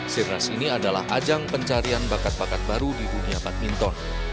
sirnas ini adalah ajang pencarian bakat bakat baru di dunia badminton